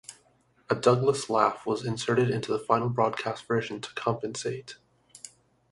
A Douglass laugh was inserted into the final broadcast version to compensate.